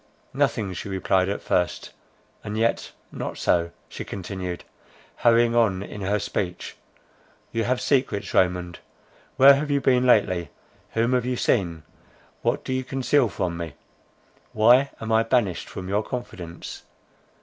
"Nothing," she replied at first; "and yet not so," she continued, hurrying on in her speech; "you have secrets, Raymond; where have you been lately, whom have you seen, what do you conceal from me?—why am I banished from your confidence?